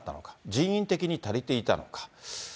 人員的に足りていたのか。